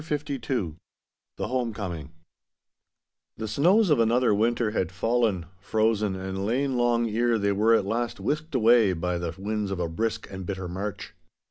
*CHAPTER LII* *HOME COMING* The snows of another winter had fallen, frozen, and lain long ere they were at last whisked away by the winds of a brisk and bitter March.